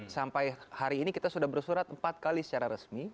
sampai hari ini kita sudah bersurat empat kali secara resmi